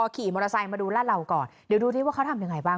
ขี่มอเตอร์ไซค์มาดูลาดเหล่าก่อนเดี๋ยวดูที่ว่าเขาทำยังไงบ้าง